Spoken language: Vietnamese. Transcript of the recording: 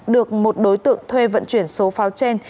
được một đối tượng thuê vận chuyển số pháo trên